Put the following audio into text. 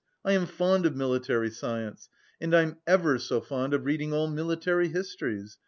I am fond of military science. And I'm ever so fond of reading all military histories.